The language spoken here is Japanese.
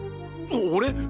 俺！？